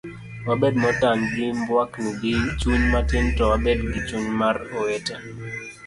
wabed motang' gi mbuakni gi chuny matin to wabed gi chuny mar owete